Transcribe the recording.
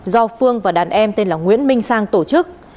do phương và đàn em tên là nguyễn minh sang tổ chức